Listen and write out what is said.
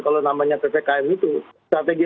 kalau namanya ppkm itu strategi